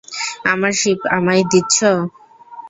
আমার শিপ আমায় দিচ্ছ?